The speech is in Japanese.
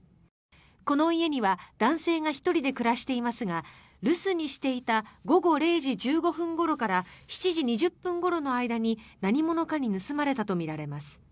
この家には男性が１人で暮らしていますが留守にしていた午後０時１５分ごろから７時２０分ごろの間に何者かに盗まれたとみられます。